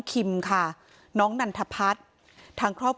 คุณยายบอกว่ารู้สึกเหมือนใครมายืนอยู่ข้างหลัง